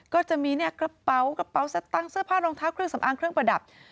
ก็จะมีกระเป๋ากระเป๋าสตังค์เสื้อผ้ารองเท้าเครื่องสำอางเครื่องประดับ